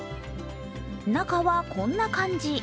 中はこんな感じ。